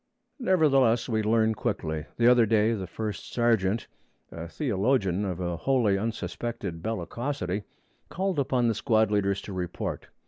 Nevertheless, we learn quickly. The other day the first sergeant, a theologian of a wholly unsuspected bellicosity, called upon the squad leaders to report.